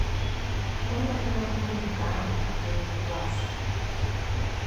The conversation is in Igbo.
Onye ọbụla kwuru nke ahụ na-atụ nnukwu asị.